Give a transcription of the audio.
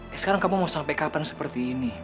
eh sekarang kamu mau sampai kapan seperti ini